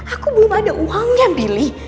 aku belum ada uangnya billy